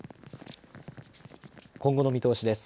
今後の見通しです。